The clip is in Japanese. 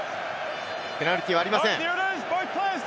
ペナルティーはありません。